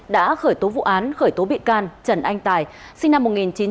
đã khởi tố vụ án khởi tố bị can trần anh tài sinh năm một nghìn chín trăm tám mươi